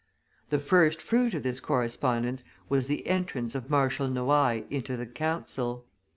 The first fruit of this correspondence was the entrance of Marshal Noailles into the Council.